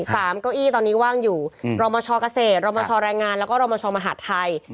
เก้าอี้ตอนนี้ว่างอยู่อืมรมชเกษตรรมชแรงงานแล้วก็รมชมหาดไทย